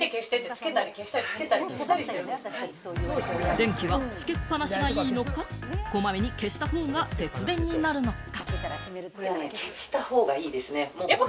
電気はつけっぱなしがいいのか、こまめに消した方が節電になるのか？